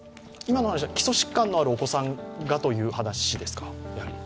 今の話は基礎疾患のあるお子さんがという話ですか？